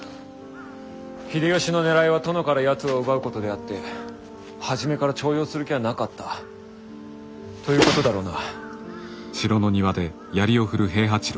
秀吉のねらいは殿からやつを奪うことであって初めから重用する気はなかったということだろうな。